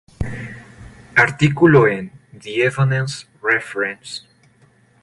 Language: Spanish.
Artículo en The Evanescence Reference.